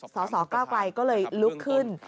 สสเก้าไกลก็เลยลุกขึ้น